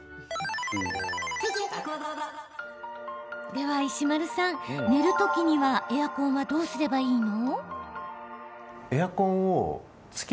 では石丸さん、寝る時にはエアコンはどうすればいいの？